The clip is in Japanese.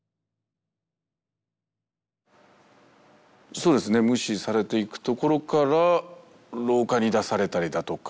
そうですね無視されていくところから廊下に出されたりだとか。